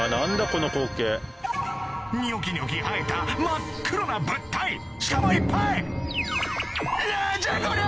この光景・ニョキニョキ生えた真っ黒な物体しかもいっぱい！